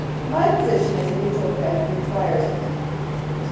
My position as a mutual friend requires it, sir.' Mr.